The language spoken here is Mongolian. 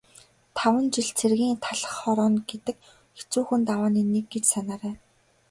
Таван жил цэргийн талх хорооно гэдэг хэцүүхэн давааны нэг гэж санаарай.